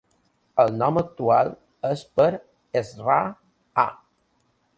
El nom actual és per Ezra A.